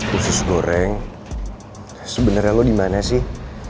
khusus goreng sebenarnya lo dimana sih